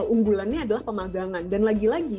unggulannya adalah pemagangan dan lagi lagi